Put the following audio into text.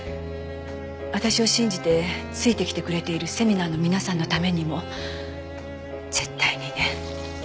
私を信じてついてきてくれているセミナーの皆さんのためにも絶対にね。